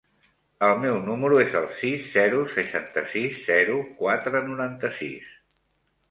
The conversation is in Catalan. El meu número es el sis, zero, seixanta-sis, zero, quatre, noranta-sis.